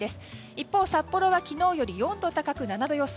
一方、札幌は昨日より４度高く７度予想。